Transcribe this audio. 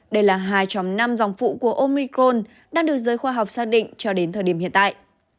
đây là hai trong năm dòng phụ của omicron đang được giới khoa học xác định cho đến thời điểm hiện tại